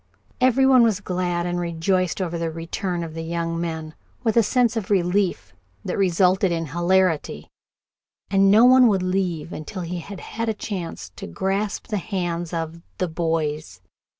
Every one was glad and rejoiced over the return of the young men, with a sense of relief that resulted in hilarity, and no one would leave until he had had a chance to grasp the hands of the "boys."